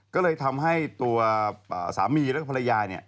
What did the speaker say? ก็เลยทำให้ตัวสามีแล้วก็ภรรยาเนี่ย